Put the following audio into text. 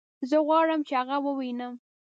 زه غواړم چې هغه ووينم